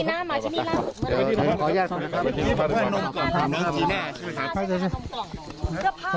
น้องจีน่าเป็นของทหารซะนะครับ